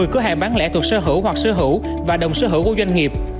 một mươi cửa hàng bán lẻ thuộc sơ hữu hoặc sơ hữu và đồng sơ hữu của doanh nghiệp